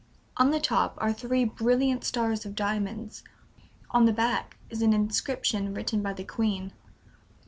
On the top are three brilliant stars of diamonds. On the back is an inscription written by the Queen."